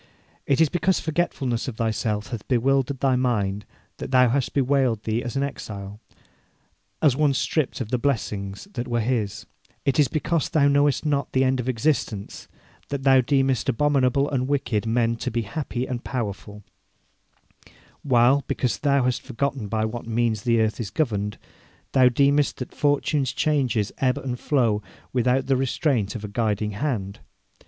It is because forgetfulness of thyself hath bewildered thy mind that thou hast bewailed thee as an exile, as one stripped of the blessings that were his; it is because thou knowest not the end of existence that thou deemest abominable and wicked men to be happy and powerful; while, because thou hast forgotten by what means the earth is governed, thou deemest that fortune's changes ebb and flow without the restraint of a guiding hand.